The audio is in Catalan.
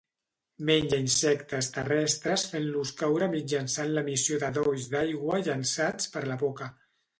Menja insectes terrestres fent-los caure mitjançant l'emissió de dolls d'aigua llençats per la boca.